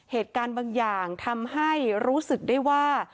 เหตุการณ์บางอย่างทำให้รู้สึกได้ว่า